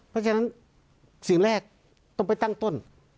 เพราะฉะนั้นสิ่งแรกต้องไปตั้งต้น